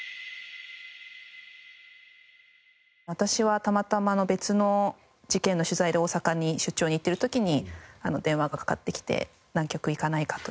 私はたまたま別の事件の取材で大阪に出張に行っている時に電話がかかってきて「南極行かないか？」と。